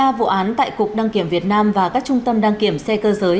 mở rộng điều tra vụ án tại cục đăng kiểm việt nam và các trung tâm đăng kiểm xe cơ giới